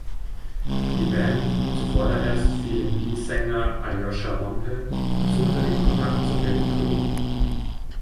Die Band, zuvorderst Feeling-B-Sänger Aljoscha Rompe, suchte den Kontakt zur Filmcrew.